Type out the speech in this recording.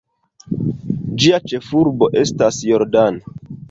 Ĝia ĉefurbo estas "Jordan".